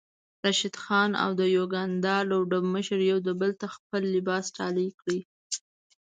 راشد خان او د يوګاندا لوبډلمشر يو بل ته خپل لباس ډالۍ کړی